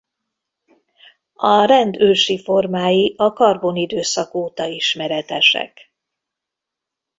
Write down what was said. A rend ősi formái a karbon időszak óta ismeretesek.